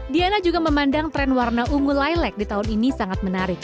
diana juga memandang tren warna ungu lie lag di tahun ini sangat menarik